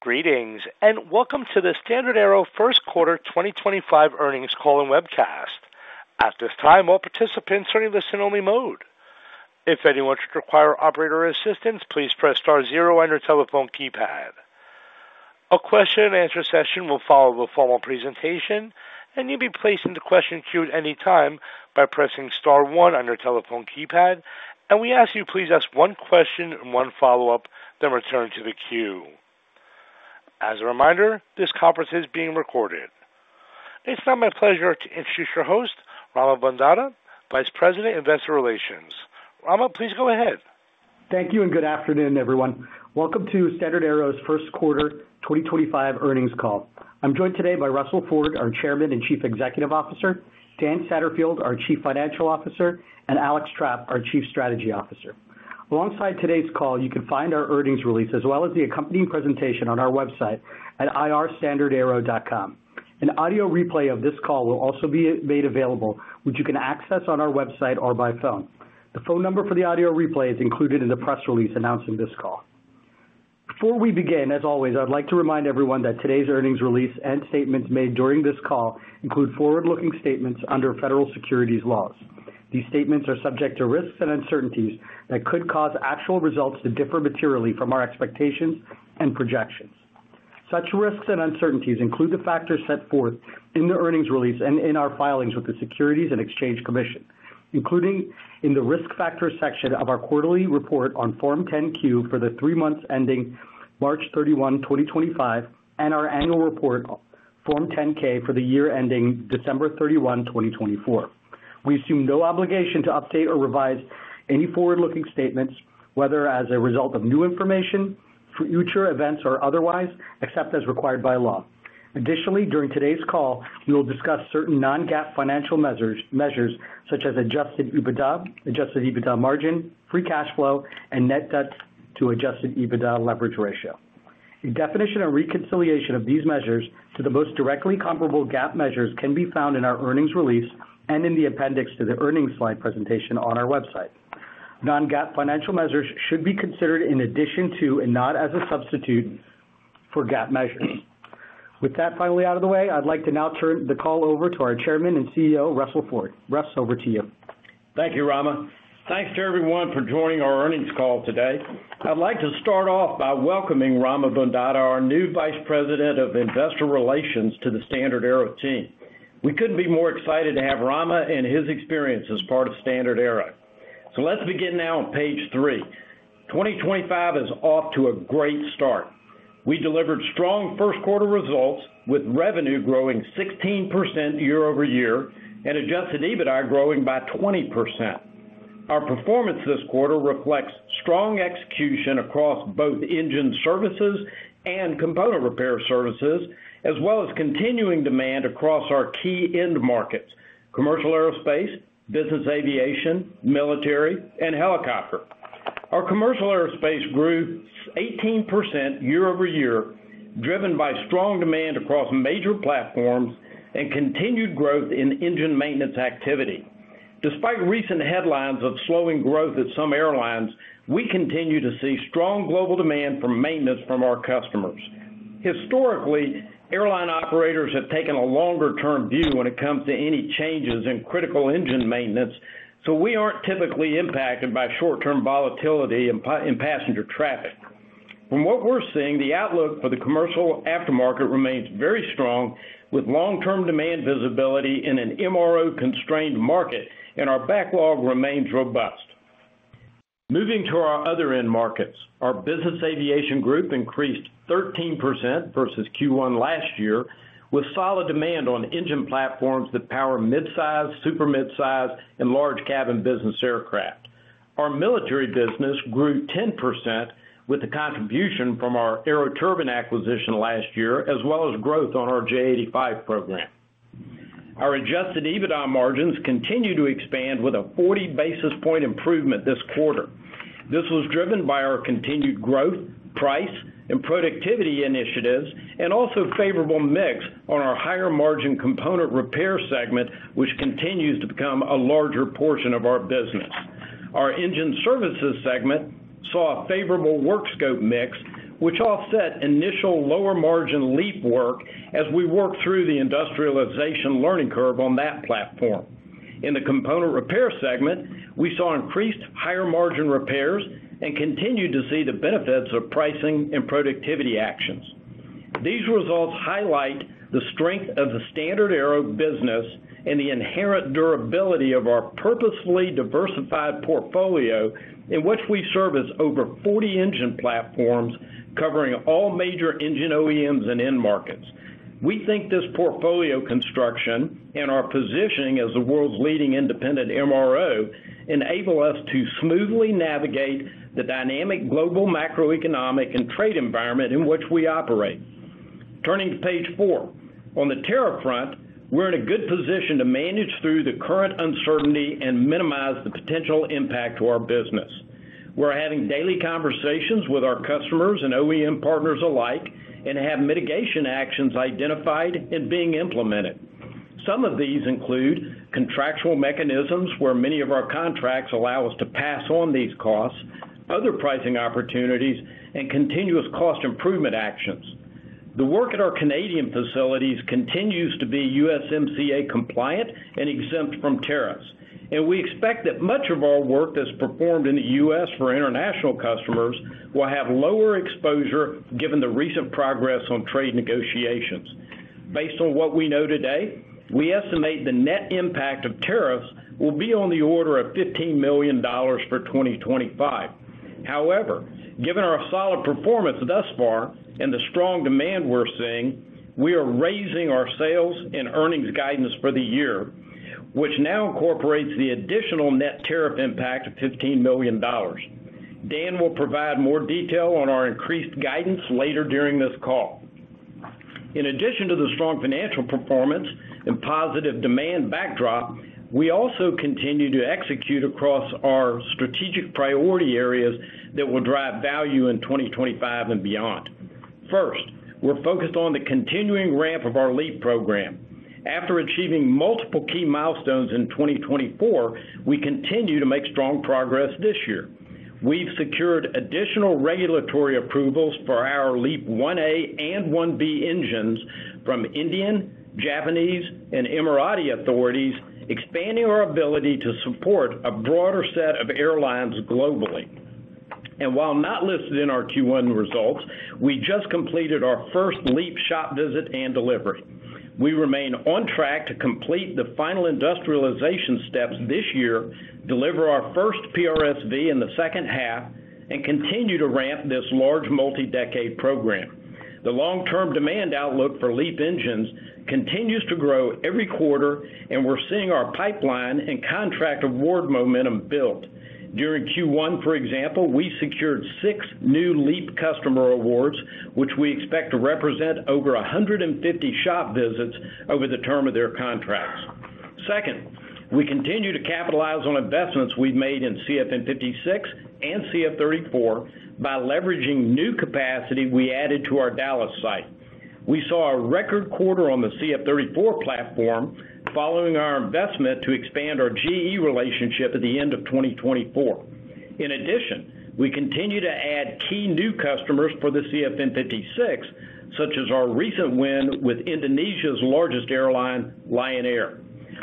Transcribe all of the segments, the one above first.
Greetings, and welcome to the StandardAero first quarter 2025 earnings call and webcast. At this time, all participants are in listen-only mode. If anyone should require operator assistance, please press star zero on your telephone keypad. A question-and-answer session will follow the formal presentation, and you'll be placed into question queue at any time by pressing star one on your telephone keypad. We ask that you please ask one question and one follow-up, then return to the queue. As a reminder, this conference is being recorded. It's now my pleasure to introduce your host, Rama Bondada, Vice President, Investor Relations. Rama, please go ahead. Thank you, and good afternoon, everyone. Welcome to StandardAero's first quarter 2025 earnings call. I'm joined today by Russell Ford, our Chairman and Chief Executive Officer; Dan Satterfield, our Chief Financial Officer; and Alex Trapp, our Chief Strategy Officer. Alongside today's call, you can find our earnings release as well as the accompanying presentation on our website at irstandardaero.com. An audio replay of this call will also be made available, which you can access on our website or by phone. The phone number for the audio replay is included in the press release announcing this call. Before we begin, as always, I'd like to remind everyone that today's earnings release and statements made during this call include forward-looking statements under federal securities laws. These statements are subject to risks and uncertainties that could cause actual results to differ materially from our expectations and projections. Such risks and uncertainties include the factors set forth in the earnings release and in our filings with the Securities and Exchange Commission, including in the risk factor section of our quarterly report on Form 10Q for the three months ending March 31, 2025, and our annual report, Form 10K, for the year ending December 31, 2024. We assume no obligation to update or revise any forward-looking statements, whether as a result of new information, future events, or otherwise, except as required by law. Additionally, during today's call, we will discuss certain non-GAAP financial measures such as adjusted EBITDA, adjusted EBITDA margin, free cash flow, and net debt to adjusted EBITDA leverage ratio. A definition or reconciliation of these measures to the most directly comparable GAAP measures can be found in our earnings release and in the appendix to the earnings slide presentation on our website. Non-GAAP financial measures should be considered in addition to and not as a substitute for GAAP measures. With that finally out of the way, I'd like to now turn the call over to our Chairman and CEO, Russell Ford. Russell, over to you. Thank you, Rama. Thanks to everyone for joining our earnings call today. I'd like to start off by welcoming Rama Bondada, our new Vice President of Investor Relations, to the StandardAero team. We couldn't be more excited to have Rama and his experience as part of StandardAero. Let's begin now on page three. 2025 is off to a great start. We delivered strong first quarter results with revenue growing 16% year over year and adjusted EBITDA growing by 20%. Our performance this quarter reflects strong execution across both engine services and component repair services, as well as continuing demand across our key end markets: commercial aerospace, business aviation, military, and helicopter. Our commercial aerospace grew 18% year over year, driven by strong demand across major platforms and continued growth in engine maintenance activity. Despite recent headlines of slowing growth at some airlines, we continue to see strong global demand for maintenance from our customers. Historically, airline operators have taken a longer-term view when it comes to any changes in critical engine maintenance, so we aren't typically impacted by short-term volatility in passenger traffic. From what we're seeing, the outlook for the commercial aftermarket remains very strong, with long-term demand visibility in an MRO-constrained market, and our backlog remains robust. Moving to our other end markets, our business aviation group increased 13% versus Q1 last year, with solid demand on engine platforms that power mid-size, super mid-size, and large cabin business aircraft. Our military business grew 10% with the contribution from our Aeroturbine acquisition last year, as well as growth on our J85 program. Our adjusted EBITDA margins continue to expand with a 40 basis point improvement this quarter. This was driven by our continued growth, price, and productivity initiatives, and also a favorable mix on our higher margin component repair segment, which continues to become a larger portion of our business. Our engine services segment saw a favorable work scope mix, which offset initial lower margin LEAP work as we worked through the industrialization learning curve on that platform. In the component repair segment, we saw increased higher margin repairs and continued to see the benefits of pricing and productivity actions. These results highlight the strength of the StandardAero business and the inherent durability of our purposefully diversified portfolio, in which we service over 40 engine platforms covering all major engine OEMs and end markets. We think this portfolio construction and our positioning as the world's leading independent MRO enable us to smoothly navigate the dynamic global macroeconomic and trade environment in which we operate. Turning to page four, on the tariff front, we're in a good position to manage through the current uncertainty and minimize the potential impact to our business. We're having daily conversations with our customers and OEM partners alike and have mitigation actions identified and being implemented. Some of these include contractual mechanisms where many of our contracts allow us to pass on these costs, other pricing opportunities, and continuous cost improvement actions. The work at our Canadian facilities continues to be USMCA compliant and exempt from tariffs, and we expect that much of our work that's performed in the U.S. for international customers will have lower exposure given the recent progress on trade negotiations. Based on what we know today, we estimate the net impact of tariffs will be on the order of $15 million for 2025. However, given our solid performance thus far and the strong demand we're seeing, we are raising our sales and earnings guidance for the year, which now incorporates the additional net tariff impact of $15 million. Dan will provide more detail on our increased guidance later during this call. In addition to the strong financial performance and positive demand backdrop, we also continue to execute across our strategic priority areas that will drive value in 2025 and beyond. First, we're focused on the continuing ramp of our LEAP program. After achieving multiple key milestones in 2024, we continue to make strong progress this year. We've secured additional regulatory approvals for our LEAP 1A and 1B engines from Indian, Japanese, and Emirati authorities, expanding our ability to support a broader set of airlines globally. While not listed in our Q1 results, we just completed our first LEAP shop visit and delivery. We remain on track to complete the final industrialization steps this year, deliver our first PRSV in the second half, and continue to ramp this large multi-decade program. The long-term demand outlook for LEAP engines continues to grow every quarter, and we're seeing our pipeline and contract award momentum build. During Q1, for example, we secured six new LEAP customer awards, which we expect to represent over 150 shop visits over the term of their contracts. Second, we continue to capitalize on investments we've made in CFM56 and CF34 by leveraging new capacity we added to our Dallas site. We saw a record quarter on the CF34 platform following our investment to expand our GE relationship at the end of 2024. In addition, we continue to add key new customers for the CFM56, such as our recent win with Indonesia's largest airline, Lion Air.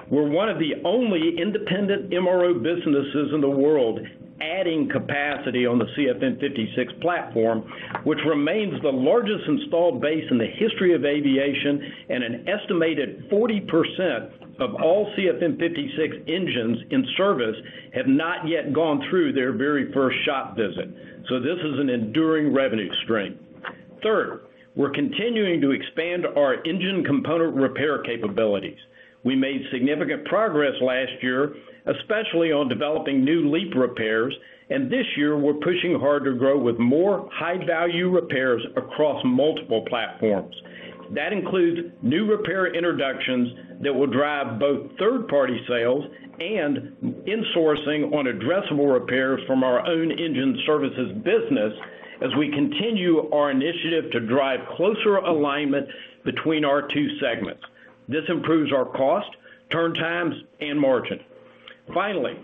We're one of the only independent MRO businesses in the world adding capacity on the CFM56 platform, which remains the largest installed base in the history of aviation, and an estimated 40% of all CFM56 engines in service have not yet gone through their very first shop visit. This is an enduring revenue stream. Third, we're continuing to expand our engine component repair capabilities. We made significant progress last year, especially on developing new LEAP repairs, and this year we're pushing hard to grow with more high-value repairs across multiple platforms. That includes new repair introductions that will drive both third-party sales and insourcing on addressable repairs from our own engine services business as we continue our initiative to drive closer alignment between our two segments. This improves our cost, turn times, and margin. Finally,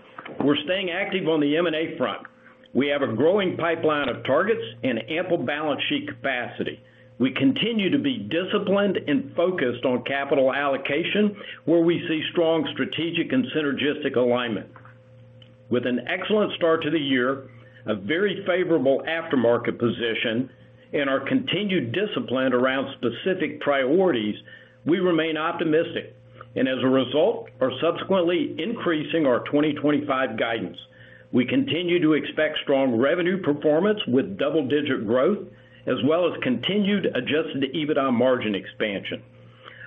we're staying active on the M&A front. We have a growing pipeline of targets and ample balance sheet capacity. We continue to be disciplined and focused on capital allocation, where we see strong strategic and synergistic alignment. With an excellent start to the year, a very favorable aftermarket position, and our continued discipline around specific priorities, we remain optimistic and, as a result, are subsequently increasing our 2025 guidance. We continue to expect strong revenue performance with double-digit growth, as well as continued adjusted EBITDA margin expansion.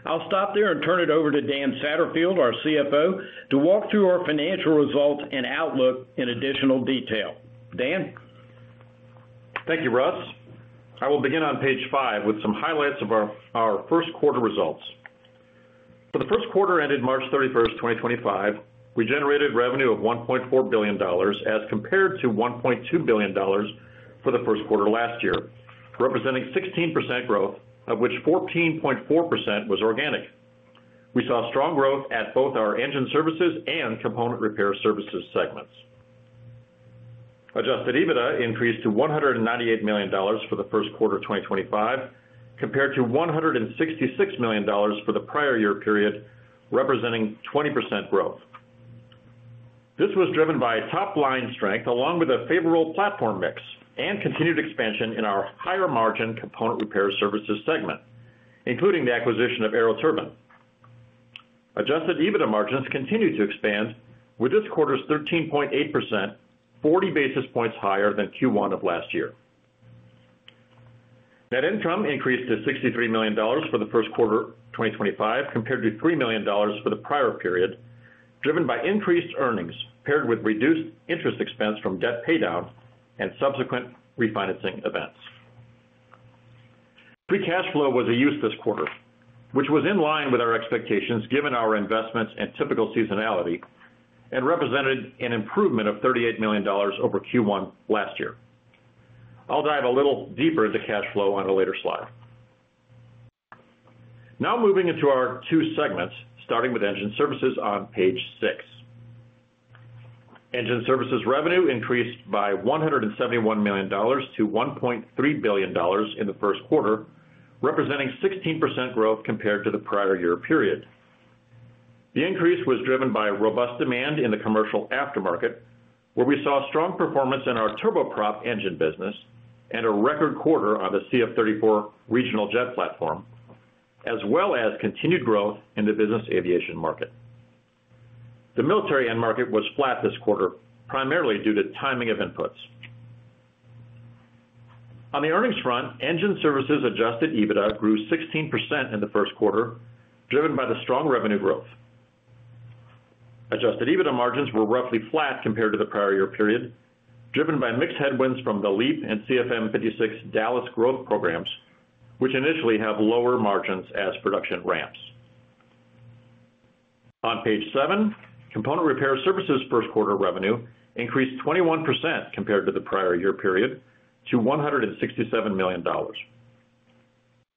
I'll stop there and turn it over to Dan Satterfield, our CFO, to walk through our financial results and outlook in additional detail. Dan? Thank you, Russ. I will begin on page five with some highlights of our first quarter results. For the first quarter ended March 31, 2025, we generated revenue of $1.4 billion as compared to $1.2 billion for the first quarter last year, representing 16% growth, of which 14.4% was organic. We saw strong growth at both our engine services and component repair services segments. Adjusted EBITDA increased to $198 million for the first quarter of 2025, compared to $166 million for the prior year period, representing 20% growth. This was driven by top-line strength, along with a favorable platform mix and continued expansion in our higher margin component repair services segment, including the acquisition of Aeroturbine. Adjusted EBITDA margins continued to expand, with this quarter's 13.8%, 40 basis points higher than Q1 of last year. Net income increased to $63 million for the first quarter of 2025, compared to $3 million for the prior period, driven by increased earnings paired with reduced interest expense from debt paydown and subsequent refinancing events. Free cash flow was a use this quarter, which was in line with our expectations given our investments and typical seasonality and represented an improvement of $38 million over Q1 last year. I'll dive a little deeper into cash flow on a later slide. Now moving into our two segments, starting with engine services on page six. Engine services revenue increased by $171 million to $1.3 billion in the first quarter, representing 16% growth compared to the prior year period. The increase was driven by robust demand in the commercial aftermarket, where we saw strong performance in our turboprop engine business and a record quarter on the CF34 regional jet platform, as well as continued growth in the business aviation market. The military end market was flat this quarter, primarily due to timing of inputs. On the earnings front, engine services adjusted EBITDA grew 16% in the first quarter, driven by the strong revenue growth. Adjusted EBITDA margins were roughly flat compared to the prior year period, driven by mixed headwinds from the LEAP and CFM56 Dallas growth programs, which initially have lower margins as production ramps. On page seven, component repair services first quarter revenue increased 21% compared to the prior year period to $167 million.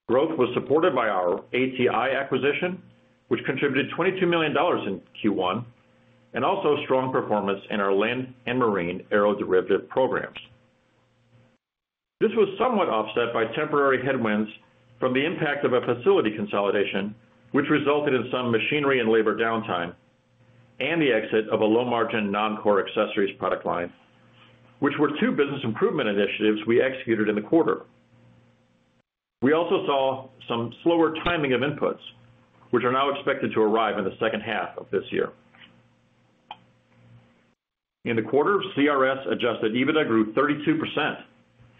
Growth was supported by our ATI acquisition, which contributed $22 million in Q1, and also strong performance in our land and marine aeroderivative programs. This was somewhat offset by temporary headwinds from the impact of a facility consolidation, which resulted in some machinery and labor downtime, and the exit of a low-margin non-core accessories product line, which were two business improvement initiatives we executed in the quarter. We also saw some slower timing of inputs, which are now expected to arrive in the second half of this year. In the quarter, CRS adjusted EBITDA grew 32%,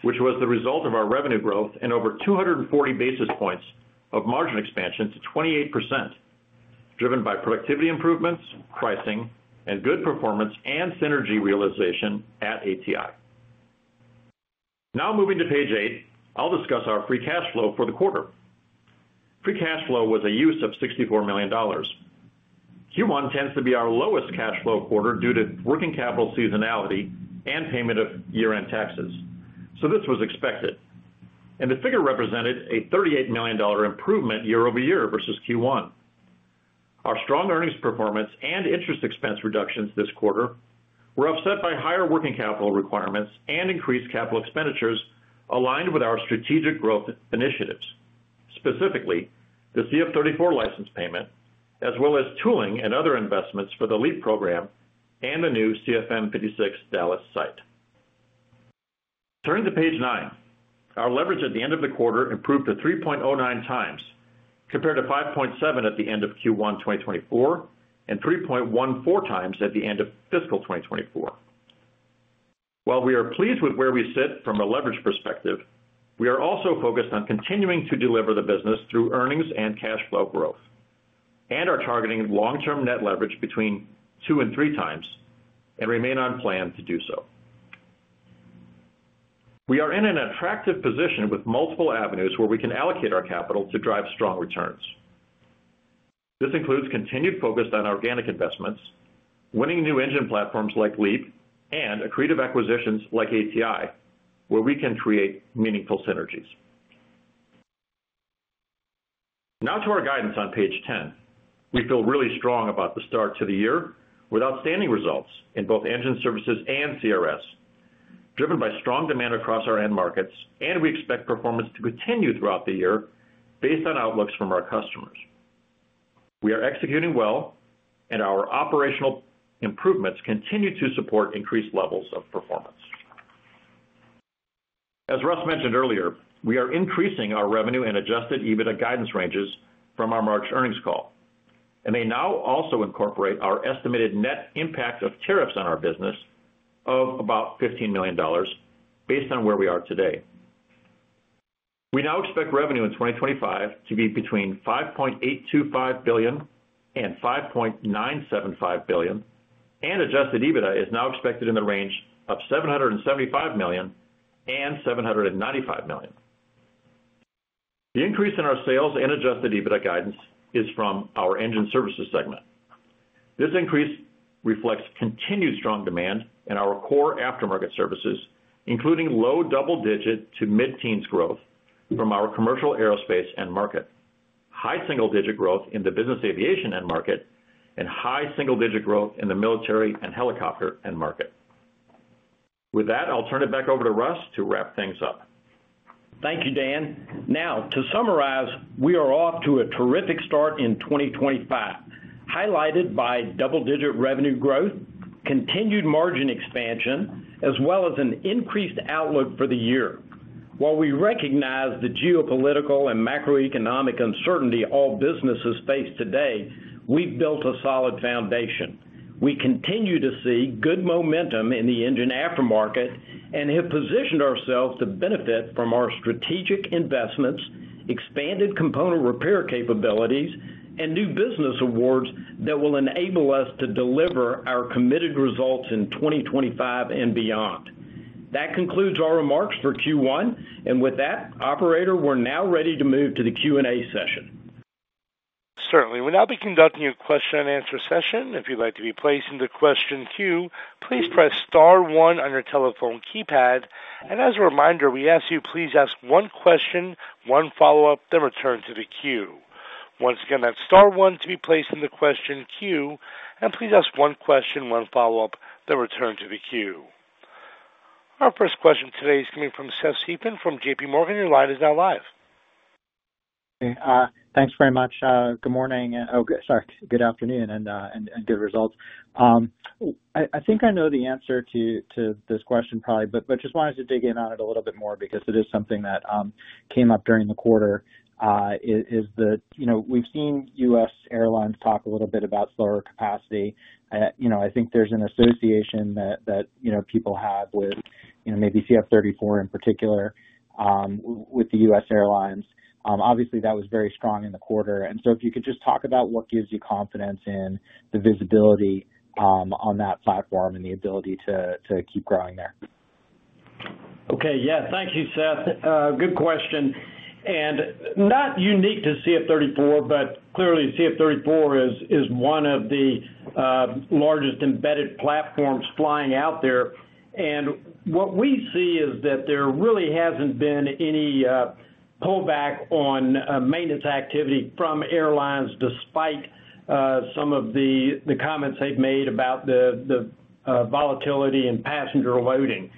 which was the result of our revenue growth and over 240 basis points of margin expansion to 28%, driven by productivity improvements, pricing, and good performance and synergy realization at ATI. Now moving to page eight, I'll discuss our free cash flow for the quarter. Free cash flow was a use of $64 million. Q1 tends to be our lowest cash flow quarter due to working capital seasonality and payment of year-end taxes, so this was expected. The figure represented a $38 million improvement year over year versus Q1. Our strong earnings performance and interest expense reductions this quarter were offset by higher working capital requirements and increased capital expenditures aligned with our strategic growth initiatives, specifically the CF34 license payment, as well as tooling and other investments for the LEAP program and the new CFM56 Dallas site. Turning to page nine, our leverage at the end of the quarter improved to 3.09 times compared to 5.7 at the end of Q1 2024 and 3.14 times at the end of fiscal 2024. While we are pleased with where we sit from a leverage perspective, we are also focused on continuing to deliver the business through earnings and cash flow growth and are targeting long-term net leverage between two and three times and remain on plan to do so. We are in an attractive position with multiple avenues where we can allocate our capital to drive strong returns. This includes continued focus on organic investments, winning new engine platforms like LEAP, and accretive acquisitions like ATI, where we can create meaningful synergies. Now to our guidance on page 10. We feel really strong about the start to the year with outstanding results in both engine services and CRS, driven by strong demand across our end markets, and we expect performance to continue throughout the year based on outlooks from our customers. We are executing well, and our operational improvements continue to support increased levels of performance. As Russ mentioned earlier, we are increasing our revenue and adjusted EBITDA guidance ranges from our March earnings call, and they now also incorporate our estimated net impact of tariffs on our business of about $15 million based on where we are today. We now expect revenue in 2025 to be between $5.825 billion and $5.975 billion, and adjusted EBITDA is now expected in the range of $775 million and $795 million. The increase in our sales and adjusted EBITDA guidance is from our engine services segment. This increase reflects continued strong demand in our core aftermarket services, including low double-digit to mid-teens growth from our commercial aerospace end market, high single-digit growth in the business aviation end market, and high single-digit growth in the military and helicopter end market. With that, I'll turn it back over to Russ to wrap things up. Thank you, Dan. Now, to summarize, we are off to a terrific start in 2025, highlighted by double-digit revenue growth, continued margin expansion, as well as an increased outlook for the year. While we recognize the geopolitical and macroeconomic uncertainty all businesses face today, we've built a solid foundation. We continue to see good momentum in the engine aftermarket and have positioned ourselves to benefit from our strategic investments, expanded component repair capabilities, and new business awards that will enable us to deliver our committed results in 2025 and beyond. That concludes our remarks for Q1, and with that, Operator, we're now ready to move to the Q&A session. Certainly. We'll now be conducting a question-and-answer session. If you'd like to be placed in the question queue, please press Star 1 on your telephone keypad. As a reminder, we ask you, please ask one question, one follow-up, then return to the queue. Once again, that's Star 1 to be placed in the question queue, and please ask one question, one follow-up, then return to the queue. Our first question today is coming from Seth Seifman from JPMorgan. Your line is now live. Thanks very much. Good morning. Oh, sorry. Good afternoon and good results. I think I know the answer to this question probably, but just wanted to dig in on it a little bit more because it is something that came up during the quarter, is that we've seen U.S. airlines talk a little bit about slower capacity. I think there's an association that people have with maybe CF34 in particular with the U.S. airlines. Obviously, that was very strong in the quarter. If you could just talk about what gives you confidence in the visibility on that platform and the ability to keep growing there. Okay. Yeah. Thank you, Seth. Good question. Not unique to CF34, but clearly CF34 is one of the largest embedded platforms flying out there. What we see is that there really has not been any pullback on maintenance activity from airlines despite some of the comments they have made about the volatility in passenger loading.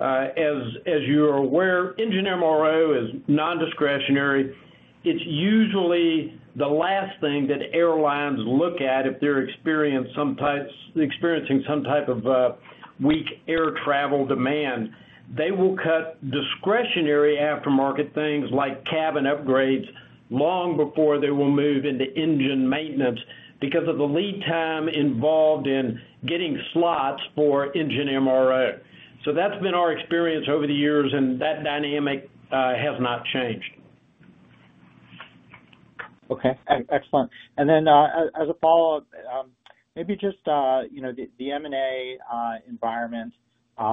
As you are aware, engine MRO is non-discretionary. It is usually the last thing that airlines look at if they are experiencing some type of weak air travel demand. They will cut discretionary aftermarket things like cabin upgrades long before they will move into engine maintenance because of the lead time involved in getting slots for engine MRO. That has been our experience over the years, and that dynamic has not changed. Okay. Excellent. As a follow-up, maybe just the M&A environment.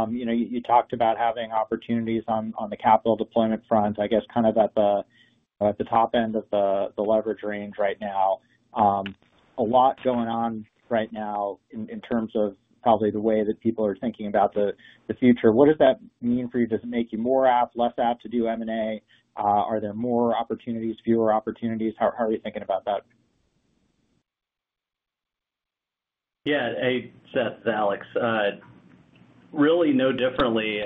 You talked about having opportunities on the capital deployment front, I guess kind of at the top end of the leverage range right now. A lot going on right now in terms of probably the way that people are thinking about the future. What does that mean for you? Does it make you more apt, less apt to do M&A? Are there more opportunities, fewer opportunities? How are you thinking about that? Yeah. Hey, Seth, Alex. Really no differently.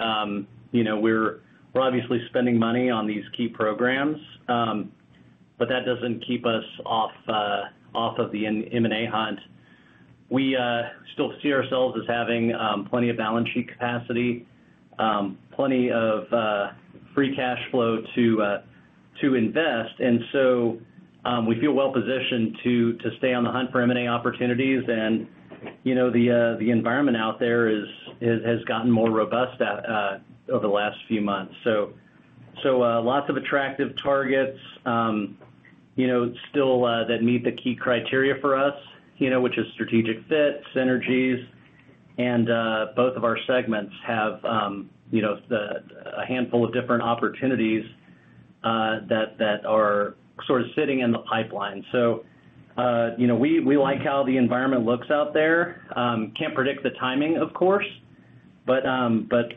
We're obviously spending money on these key programs, but that doesn't keep us off of the M&A hunt. We still see ourselves as having plenty of balance sheet capacity, plenty of free cash flow to invest. We feel well-positioned to stay on the hunt for M&A opportunities. The environment out there has gotten more robust over the last few months. Lots of attractive targets still that meet the key criteria for us, which is strategic fit, synergies. Both of our segments have a handful of different opportunities that are sort of sitting in the pipeline. We like how the environment looks out there. Can't predict the timing, of course, but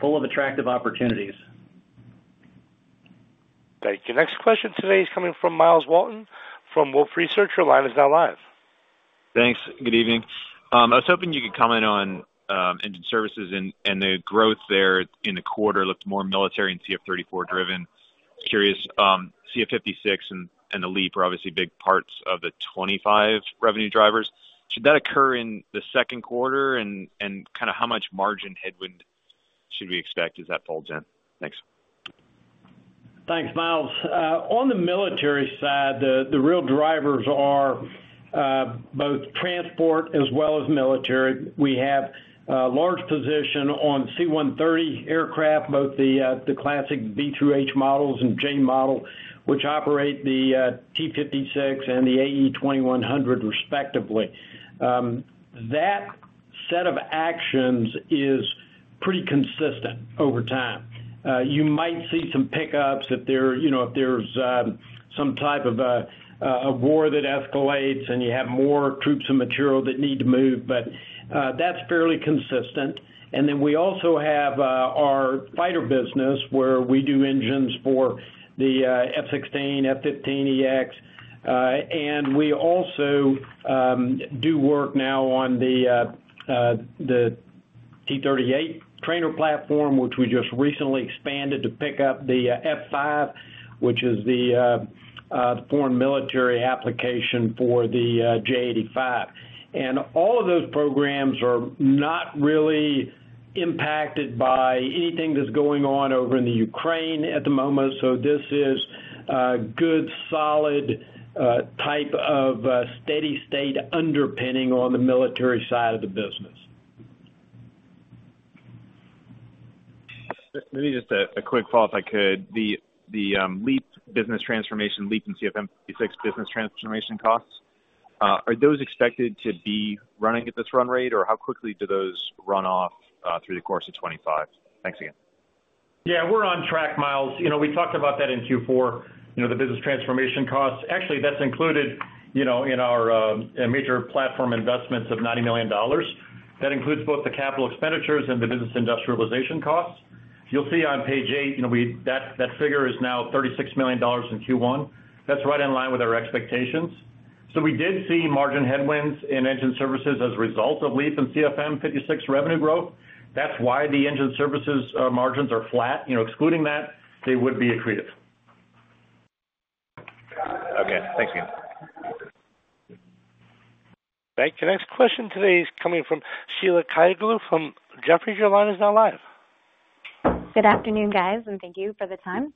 full of attractive opportunities. Thank you. Next question today is coming from Miles Walton from Wolfe Research. Your line is now live. Thanks. Good evening. I was hoping you could comment on engine services and the growth there in the quarter looked more military and CF34 driven. Curious, CFM56 and the LEAP are obviously big parts of the 2025 revenue drivers. Should that occur in the second quarter? And kind of how much margin headwind should we expect as that folds in? Thanks. Thanks, Miles. On the military side, the real drivers are both transport as well as military. We have a large position on C-130 aircraft, both the classic V-3H models and J model, which operate the T-56 and the AE 2100 respectively. That set of actions is pretty consistent over time. You might see some pickups if there's some type of war that escalates and you have more troops and material that need to move, but that's fairly consistent. We also have our fighter business where we do engines for the F-16, F-15EX. We also do work now on the T-38 trainer platform, which we just recently expanded to pick up the F-5, which is the foreign military application for the J85. All of those programs are not really impacted by anything that's going on over in the Ukraine at the moment. This is good, solid type of steady state underpinning on the military side of the business. Maybe just a quick follow-up, if I could. The LEAP business transformation, LEAP and CFM56 business transformation costs, are those expected to be running at this run rate, or how quickly do those run off through the course of 2025? Thanks again. Yeah, we're on track, Miles. We talked about that in Q4, the business transformation costs. Actually, that's included in our major platform investments of $90 million. That includes both the capital expenditures and the business industrialization costs. You'll see on page eight, that figure is now $36 million in Q1. That's right in line with our expectations. We did see margin headwinds in engine services as a result of LEAP and CFM56 revenue growth. That's why the engine services margins are flat. Excluding that, they would be accretive. Okay. Thanks, Steve. Thank you. Next question today is coming from Sheila Kahyaoglu from Jefferies. Your line is now live. Good afternoon, guys, and thank you for the time.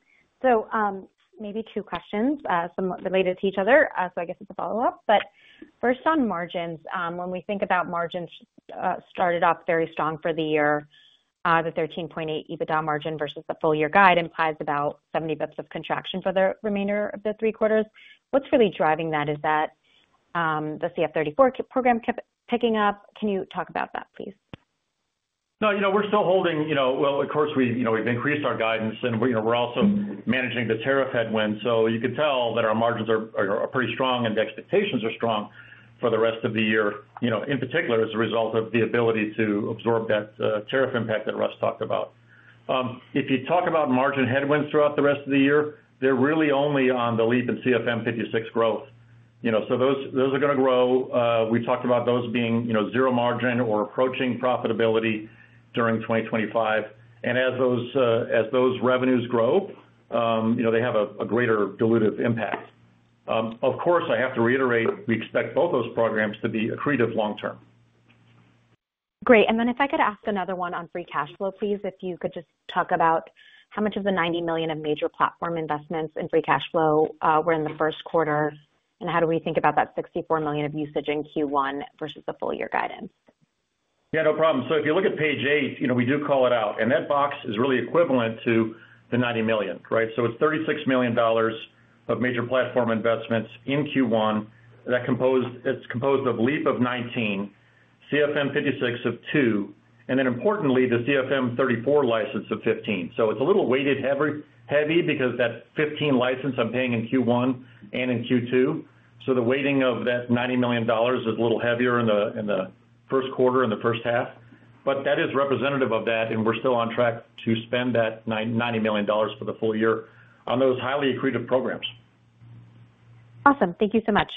Maybe two questions, somewhat related to each other, so I guess it's a follow-up. First, on margins, when we think about margins started off very strong for the year, the 13.8% EBITDA margin versus the full-year guide implies about 70 basis points of contraction for the remainder of the three quarters. What's really driving that is that the CF34 program kept picking up. Can you talk about that, please? No, we're still holding. Of course, we've increased our guidance, and we're also managing the tariff headwinds. You can tell that our margins are pretty strong and the expectations are strong for the rest of the year, in particular as a result of the ability to absorb that tariff impact that Russ talked about. If you talk about margin headwinds throughout the rest of the year, they're really only on the LEAP and CFM56 growth. Those are going to grow. We talked about those being zero margin or approaching profitability during 2025. As those revenues grow, they have a greater dilutive impact. Of course, I have to reiterate, we expect both those programs to be accretive long-term. Great. If I could ask another one on free cash flow, please, if you could just talk about how much of the $90 million of major platform investments in free cash flow were in the first quarter, and how do we think about that $64 million of usage in Q1 versus the full-year guidance? Yeah, no problem. If you look at page eight, we do call it out. That box is really equivalent to the $90 million, right? It's $36 million of major platform investments in Q1. It's composed of LEAP of $19 million, CFM56 of $2 million, and then importantly, the CF34 license of $15 million. It's a little weighted heavy because that $15 million license I'm paying in Q1 and in Q2. The weighting of that $90 million is a little heavier in the first quarter and the first half. That is representative of that, and we're still on track to spend that $90 million for the full year on those highly accretive programs. Awesome. Thank you so much.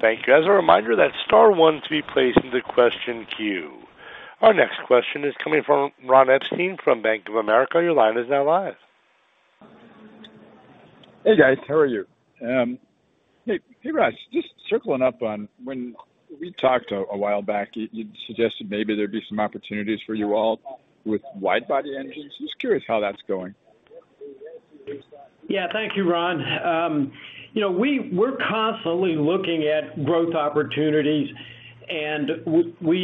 Thank you. As a reminder, that is Star 1 to be placed in the question queue. Our next question is coming from Ron Epstein from Bank of America. Your line is now live. Hey, guys. How are you? Hey, Russ. Just circling up on when we talked a while back, you suggested maybe there'd be some opportunities for you all with wide-body engines. Just curious how that's going. Yeah. Thank you, Ron. We're constantly looking at growth opportunities, and we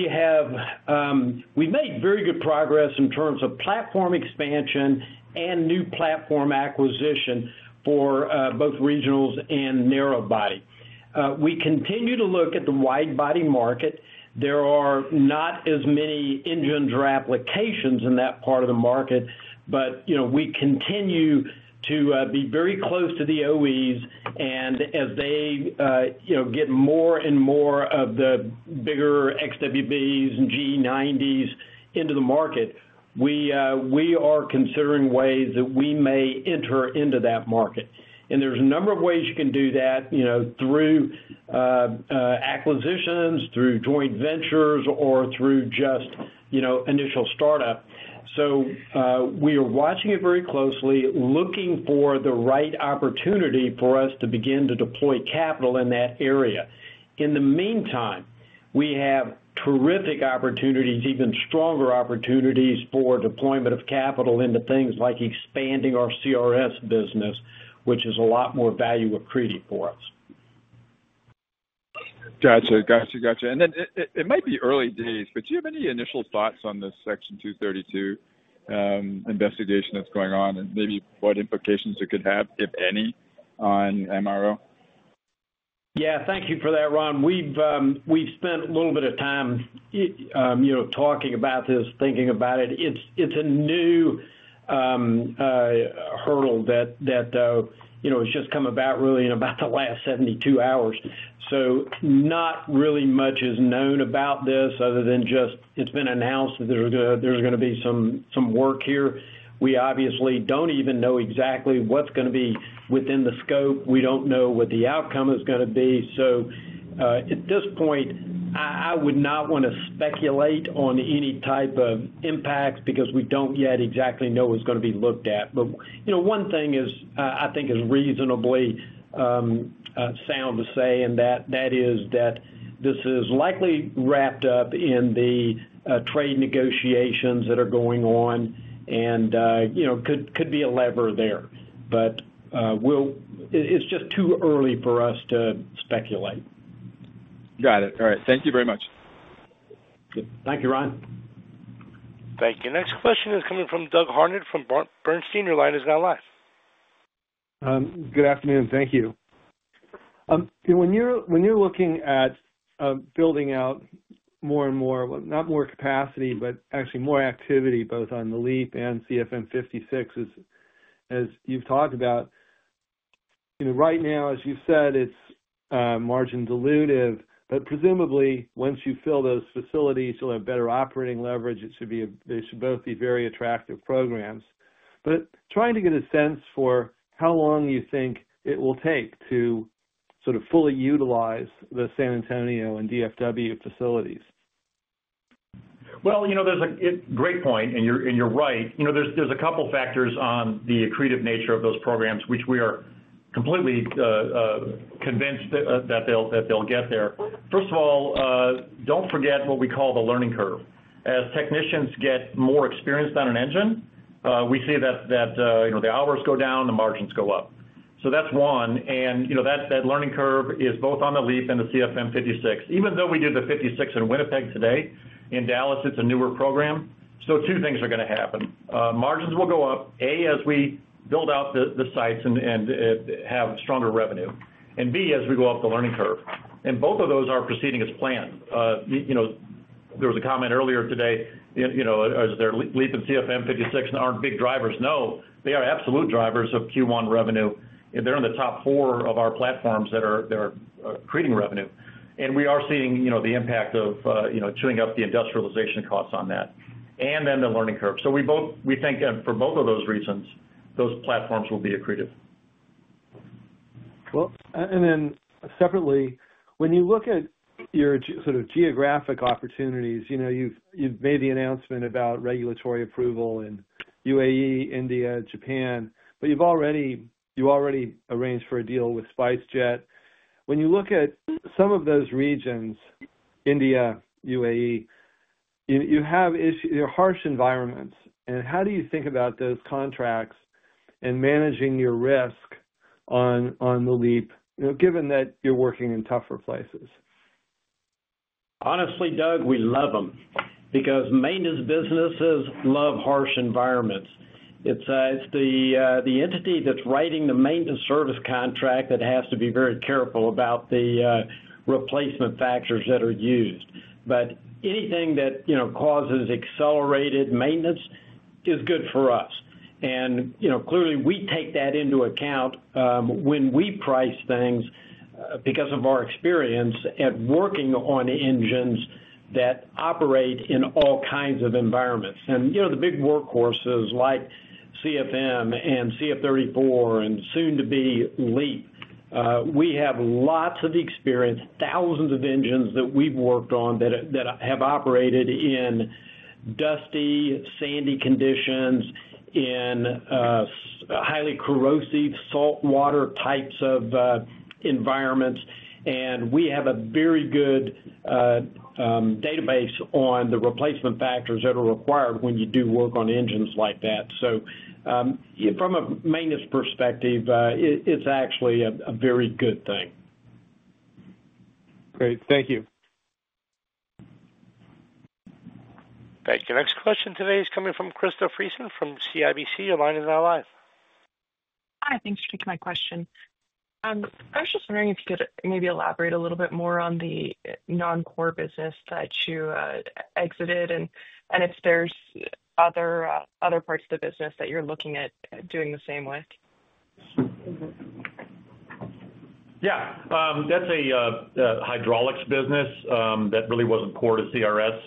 made very good progress in terms of platform expansion and new platform acquisition for both regionals and narrow body. We continue to look at the wide-body market. There are not as many engine draft applications in that part of the market, but we continue to be very close to the OEs. As they get more and more of the bigger XWBs and G90s into the market, we are considering ways that we may enter into that market. There are a number of ways you can do that through acquisitions, through joint ventures, or through just initial startup. We are watching it very closely, looking for the right opportunity for us to begin to deploy capital in that area. In the meantime, we have terrific opportunities, even stronger opportunities for deployment of capital into things like expanding our CRS business, which is a lot more value accretive for us. Gotcha. Gotcha. Gotcha. It might be early days, but do you have any initial thoughts on this Section 232 investigation that's going on and maybe what implications it could have, if any, on MRO? Yeah. Thank you for that, Ron. We've spent a little bit of time talking about this, thinking about it. It's a new hurdle that has just come about really in about the last 72 hours. Not really much is known about this other than just it's been announced that there's going to be some work here. We obviously don't even know exactly what's going to be within the scope. We don't know what the outcome is going to be. At this point, I would not want to speculate on any type of impact because we don't yet exactly know what's going to be looked at. One thing I think is reasonably sound to say, and that is that this is likely wrapped up in the trade negotiations that are going on and could be a lever there. It's just too early for us to speculate. Got it. All right. Thank you very much. Thank you, Ron. Thank you. Next question is coming from Doug Harnett from Bernstein. Your line is now live. Good afternoon. Thank you. When you're looking at building out more and more, not more capacity, but actually more activity, both on the LEAP and CFM56, as you've talked about, right now, as you said, it's margin dilutive. Presumably, once you fill those facilities, you'll have better operating leverage. They should both be very attractive programs. Trying to get a sense for how long you think it will take to sort of fully utilize the San Antonio and DFW facilities. There's a great point, and you're right. There's a couple of factors on the accretive nature of those programs, which we are completely convinced that they'll get there. First of all, don't forget what we call the learning curve. As technicians get more experienced on an engine, we see that the hours go down, the margins go up. That's one. That learning curve is both on the LEAP and the CFM56. Even though we do the 56 in Winnipeg today, in Dallas, it's a newer program. Two things are going to happen. Margins will go up, A, as we build out the sites and have stronger revenue, and B, as we go up the learning curve. Both of those are proceeding as planned. There was a comment earlier today, is there LEAP and CFM56 aren't big drivers? No, they are absolute drivers of Q1 revenue. They're in the top four of our platforms that are accreting revenue. We are seeing the impact of chewing up the industrialization costs on that and then the learning curve. We think for both of those reasons, those platforms will be accretive. When you look at your sort of geographic opportunities, you've made the announcement about regulatory approval in United Arab Emirates, India, Japan, but you've already arranged for a deal with SpiceJet. When you look at some of those regions, India, United Arab Emirates, you have harsh environments. How do you think about those contracts and managing your risk on the LEAP, given that you're working in tougher places? Honestly, Doug, we love them because maintenance businesses love harsh environments. It's the entity that's writing the maintenance service contract that has to be very careful about the replacement factors that are used. Anything that causes accelerated maintenance is good for us. Clearly, we take that into account when we price things because of our experience at working on engines that operate in all kinds of environments. The big workhorses like CFM and CF34 and soon to be LEAP, we have lots of experience, thousands of engines that we've worked on that have operated in dusty, sandy conditions, in highly corrosive saltwater types of environments. We have a very good database on the replacement factors that are required when you do work on engines like that. From a maintenance perspective, it's actually a very good thing. Great. Thank you. Thank you. Next question today is coming from Christopher Friesen from CIBC. Your line is now live. Hi. Thanks for taking my question. I was just wondering if you could maybe elaborate a little bit more on the non-core business that you exited and if there's other parts of the business that you're looking at doing the same with. Yeah. That's a hydraulics business that really wasn't core to CRS.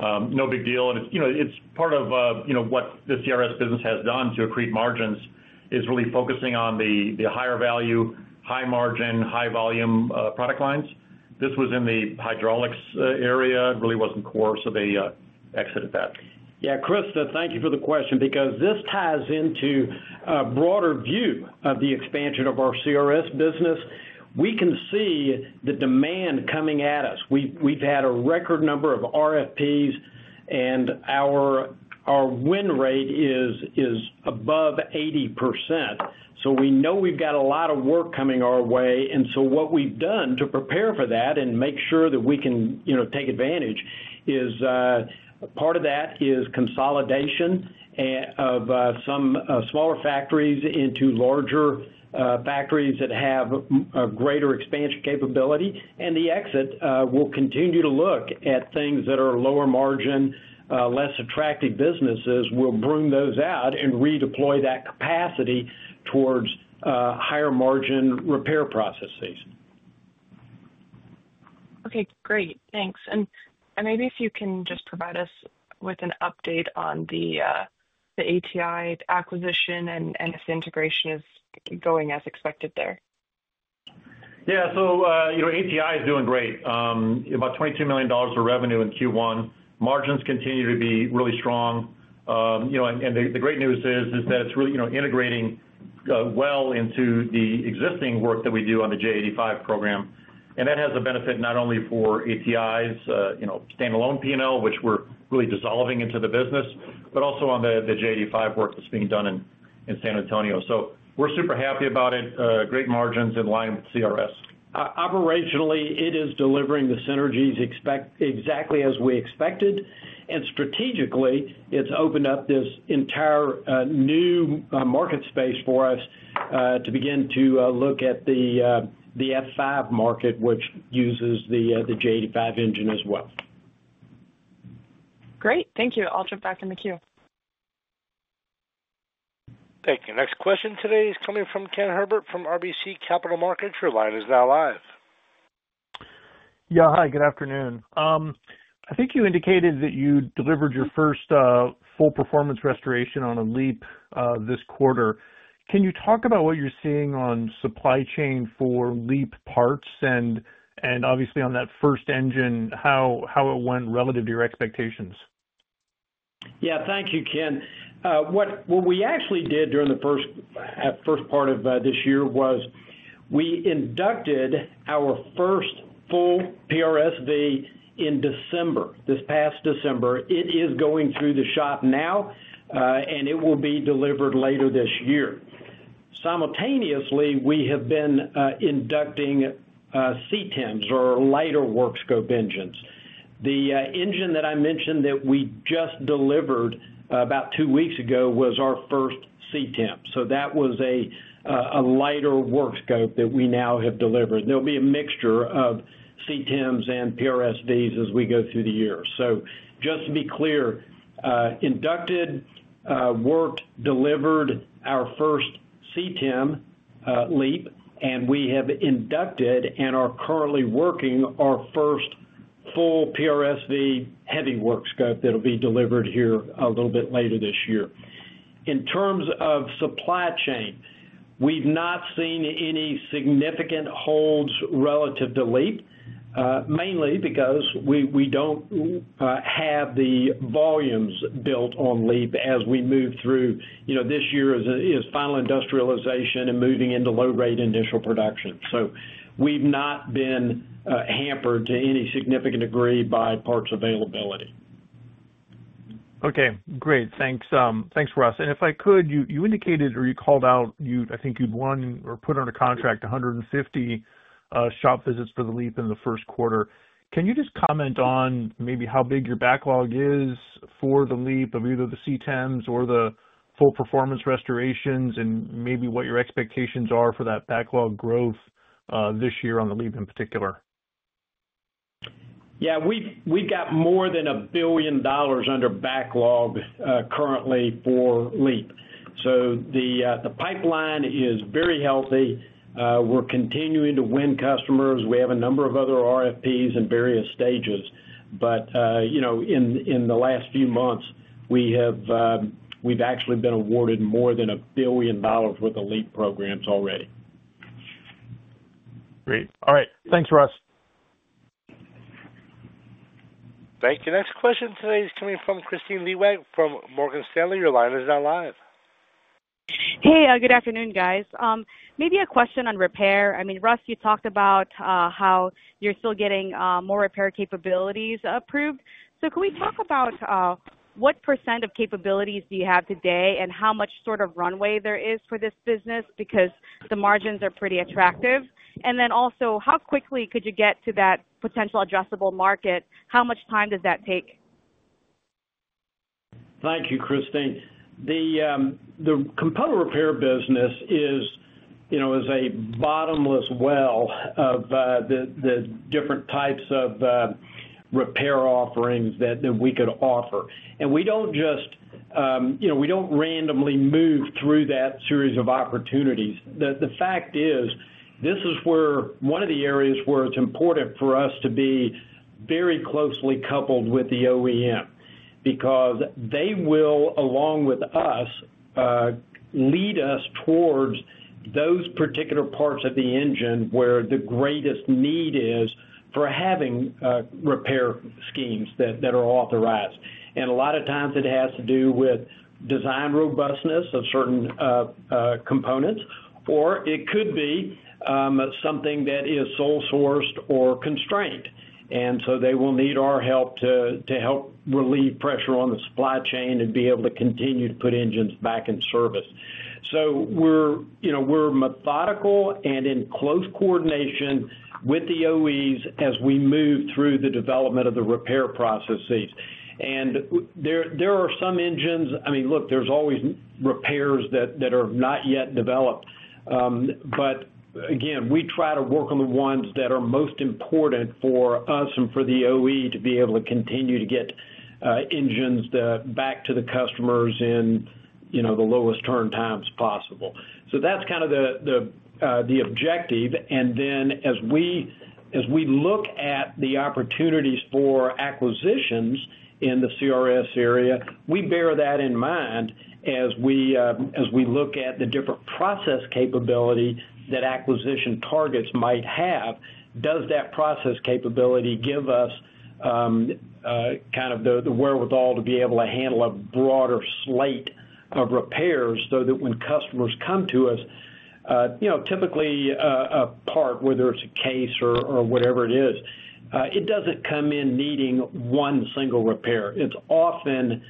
No big deal. It's part of what the CRS business has done to accrete margins, really focusing on the higher value, high margin, high volume product lines. This was in the hydraulics area. It really wasn't core, so they exited that. Yeah. Christopher, thank you for the question because this ties into a broader view of the expansion of our CRS business. We can see the demand coming at us. We've had a record number of RFPs, and our win rate is above 80%. We know we've got a lot of work coming our way. What we've done to prepare for that and make sure that we can take advantage is part of that is consolidation of some smaller factories into larger factories that have a greater expansion capability. The exit will continue to look at things that are lower margin, less attractive businesses. We'll bring those out and redeploy that capacity towards higher margin repair processes. Okay. Great. Thanks. Maybe if you can just provide us with an update on the ATI acquisition and if the integration is going as expected there. Yeah. ATI is doing great. About $22 million of revenue in Q1. Margins continue to be really strong. The great news is that it's really integrating well into the existing work that we do on the J85 program. That has a benefit not only for ATI's standalone P&L, which we're really dissolving into the business, but also on the J85 work that's being done in San Antonio. We're super happy about it. Great margins in line with CRS. Operationally, it is delivering the synergies exactly as we expected. Strategically, it's opened up this entire new market space for us to begin to look at the F5 market, which uses the J85 engine as well. Great. Thank you. I'll jump back in the queue. Thank you. Next question today is coming from Ken Herbert from RBC Capital Markets. Your line is now live. Yeah. Hi. Good afternoon. I think you indicated that you delivered your first full performance restoration on a LEAP this quarter. Can you talk about what you're seeing on supply chain for LEAP parts and obviously on that first engine, how it went relative to your expectations? Yeah. Thank you, Ken. What we actually did during the first part of this year was we inducted our first full PRSV in December, this past December. It is going through the shop now, and it will be delivered later this year. Simultaneously, we have been inducting CTEMs or lighter work scope engines. The engine that I mentioned that we just delivered about two weeks ago was our first CTEM. That was a lighter work scope that we now have delivered. There will be a mixture of CTEMs and PRSVs as we go through the year. Just to be clear, inducted, worked, delivered our first CTEM LEAP, and we have inducted and are currently working our first full PRSV heavy work scope that will be delivered here a little bit later this year. In terms of supply chain, we've not seen any significant holds relative to LEAP, mainly because we don't have the volumes built on LEAP as we move through this year is final industrialization and moving into low-grade initial production. We've not been hampered to any significant degree by parts availability. Okay. Great. Thanks, Russ. If I could, you indicated or you called out, I think you'd won or put under contract 150 shop visits for the LEAP in the first quarter. Can you just comment on maybe how big your backlog is for the LEAP of either the CTEMs or the full performance restorations and maybe what your expectations are for that backlog growth this year on the LEAP in particular? Yeah. We've got more than $1 billion under backlog currently for LEAP. The pipeline is very healthy. We're continuing to win customers. We have a number of other RFPs in various stages. In the last few months, we've actually been awarded more than $1 billion worth of LEAP programs already. Great. All right. Thanks, Russ. Thank you. Next question today is coming from Khristine Liwag from Morgan Stanley. Your line is now live. Hey. Good afternoon, guys. Maybe a question on repair. I mean, Russ, you talked about how you're still getting more repair capabilities approved. Can we talk about what % of capabilities you have today and how much sort of runway there is for this business because the margins are pretty attractive? Also, how quickly could you get to that potential addressable market? How much time does that take? Thank you, Christine. The component repair business is a bottomless well of the different types of repair offerings that we could offer. We do not just randomly move through that series of opportunities. The fact is, this is one of the areas where it is important for us to be very closely coupled with the OEM because they will, along with us, lead us towards those particular parts of the engine where the greatest need is for having repair schemes that are authorized. A lot of times, it has to do with design robustness of certain components, or it could be something that is sole-sourced or constrained. They will need our help to help relieve pressure on the supply chain and be able to continue to put engines back in service. We're methodical and in close coordination with the OEs as we move through the development of the repair processes. There are some engines, I mean, look, there's always repairs that are not yet developed. Again, we try to work on the ones that are most important for us and for the OE to be able to continue to get engines back to the customers in the lowest turn times possible. That's kind of the objective. As we look at the opportunities for acquisitions in the CRS area, we bear that in mind as we look at the different process capability that acquisition targets might have. Does that process capability give us kind of the wherewithal to be able to handle a broader slate of repairs so that when customers come to us, typically a part, whether it's a case or whatever it is, it doesn't come in needing one single repair? It's often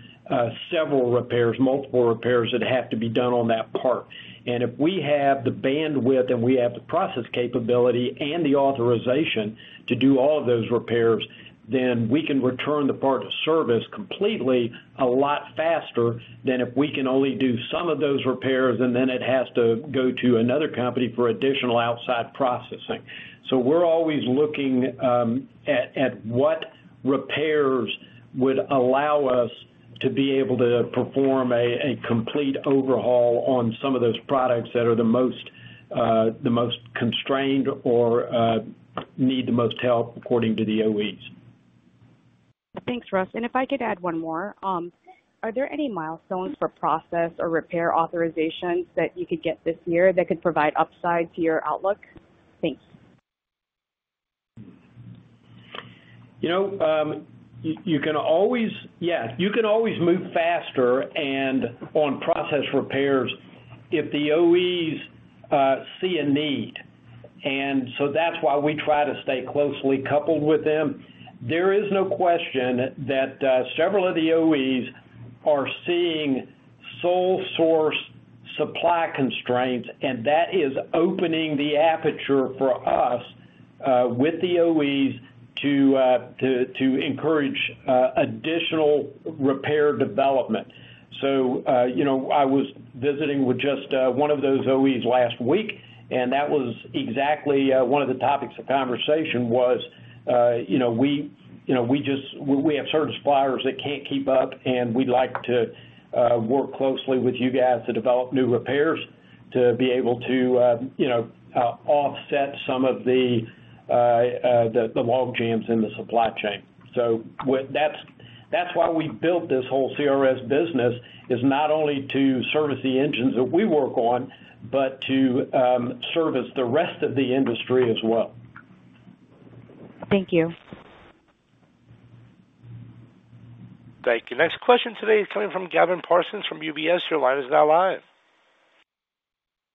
several repairs, multiple repairs that have to be done on that part. If we have the bandwidth and we have the process capability and the authorization to do all of those repairs, then we can return the part to service completely a lot faster than if we can only do some of those repairs and then it has to go to another company for additional outside processing. We're always looking at what repairs would allow us to be able to perform a complete overhaul on some of those products that are the most constrained or need the most help according to the OEs. Thanks, Russ. If I could add one more, are there any milestones for process or repair authorizations that you could get this year that could provide upside to your outlook? Thanks. You can always, yeah, you can always move faster on process repairs if the OEs see a need. That is why we try to stay closely coupled with them. There is no question that several of the OEs are seeing sole-source supply constraints, and that is opening the aperture for us with the OEs to encourage additional repair development. I was visiting with just one of those OEs last week, and that was exactly one of the topics of conversation. We just, we have certain suppliers that can't keep up, and we'd like to work closely with you guys to develop new repairs to be able to offset some of the log jams in the supply chain. That is why we built this whole CRS business, not only to service the engines that we work on, but to service the rest of the industry as well. Thank you. Thank you. Next question today is coming from Gavin Parsons from UBS. Your line is now live.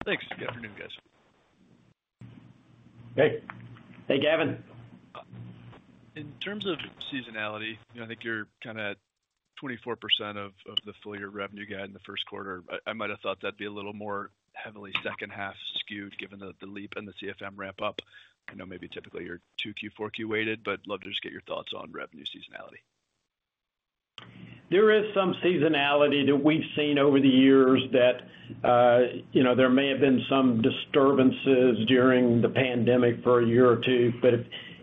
Thanks. Good afternoon, guys. Hey. Hey, Gavin. In terms of seasonality, I think you're kind of at 24% of the full-year revenue gain in the first quarter. I might have thought that'd be a little more heavily second half skewed given the LEAP and the CFM ramp up. I know maybe typically you're 2Q, 4Q weighted, but love to just get your thoughts on revenue seasonality. There is some seasonality that we've seen over the years that there may have been some disturbances during the pandemic for a year or two.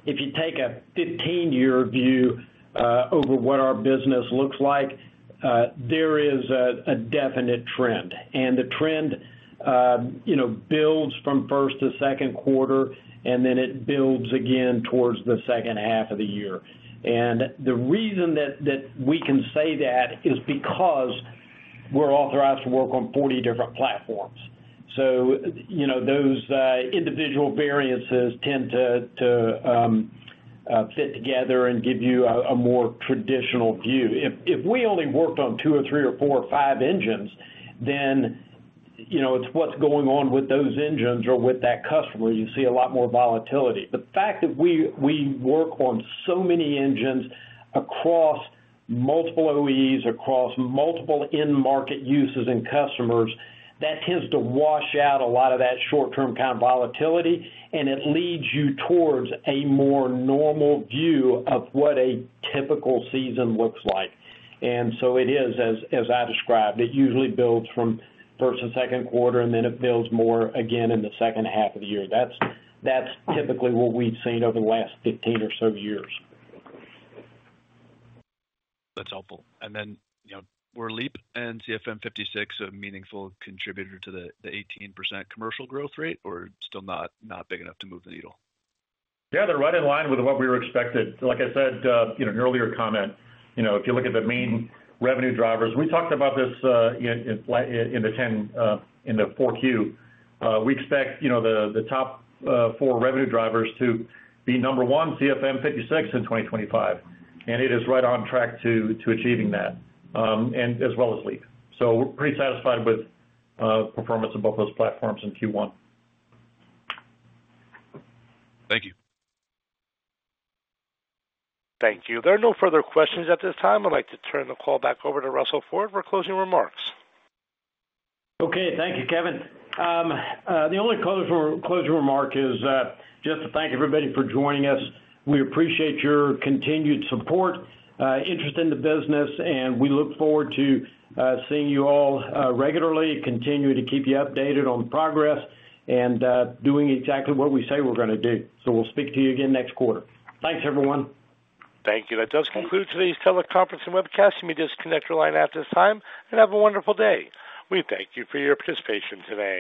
If you take a 15-year view over what our business looks like, there is a definite trend. The trend builds from first to second quarter, and then it builds again towards the second half of the year. The reason that we can say that is because we're authorized to work on 40 different platforms. Those individual variances tend to fit together and give you a more traditional view. If we only worked on two or three or four or five engines, then it's what's going on with those engines or with that customer. You see a lot more volatility. The fact that we work on so many engines across multiple OEs, across multiple in-market uses and customers, that tends to wash out a lot of that short-term kind of volatility, and it leads you towards a more normal view of what a typical season looks like. It is, as I described. It usually builds from first to second quarter, and then it builds more again in the second half of the year. That is typically what we have seen over the last 15 or so years. That's helpful. And then were LEAP and CFM56 a meaningful contributor to the 18% commercial growth rate or still not big enough to move the needle? Yeah. They're right in line with what we were expected. Like I said in an earlier comment, if you look at the main revenue drivers, we talked about this in the 10 in the 4Q. We expect the top four revenue drivers to be number one, CFM56 in 2025. And it is right on track to achieving that, as well as LEAP. So we're pretty satisfied with performance of both those platforms in Q1. Thank you. Thank you. There are no further questions at this time. I'd like to turn the call back over to Russell Ford for closing remarks. Okay. Thank you, Kevin. The only closing remark is just to thank everybody for joining us. We appreciate your continued support, interest in the business, and we look forward to seeing you all regularly, continuing to keep you updated on progress and doing exactly what we say we're going to do. We'll speak to you again next quarter. Thanks, everyone. Thank you. That does conclude today's teleconference and webcast. You may disconnect your line at this time and have a wonderful day. We thank you for your participation today.